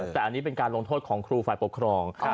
แต่อันนี้เป็นการลงโทษของครูฝ่ายปกครอง